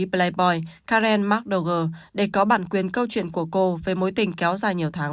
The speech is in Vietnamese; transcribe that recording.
playboy karen mcdougal để có bản quyền câu chuyện của cô về mối tình kéo dài nhiều tháng